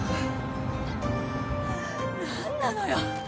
何なのよ